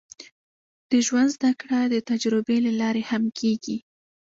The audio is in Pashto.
د ژوند زده کړه د تجربې له لارې هم کېږي.